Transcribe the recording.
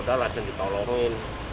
udah langsung di tolongin